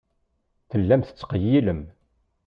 Tellam tettqeyyilem.